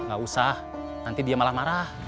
gak usah nanti dia malah marah